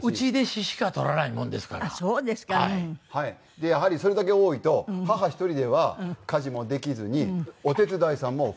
でやはりそれだけ多いと母１人では家事もできずにお手伝いさんも２人という事でもう１５人。